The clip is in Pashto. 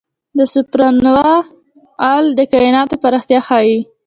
د سوپرنووا Ia د کائنات پراختیا ښيي.